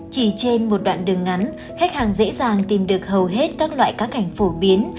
chỉ trên một đoạn đường ngắn khách hàng dễ dàng tìm được hầu hết các loại cá cảnh phổ biến